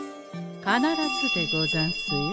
必ずでござんすよ？